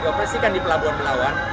dioperasikan di pelabuhan belawan